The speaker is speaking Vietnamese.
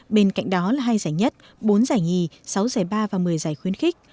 bên cạnh đó là hai giải nhất bốn giải nhì sáu giải ba và một mươi giải khuyến khích